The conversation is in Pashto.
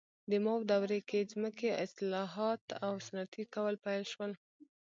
د ماو دورې کې ځمکې اصلاحات او صنعتي کول پیل شول.